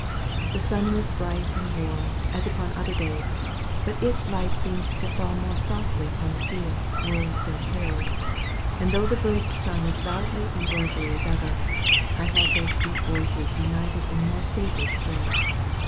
The sun was as bright and warm as upon other days, but its light seemed to fall more softly upon the fields, woods and hills; and though the birds sung as loudly and joyfully as ever, I thought their sweet voices united in a more sacred strain.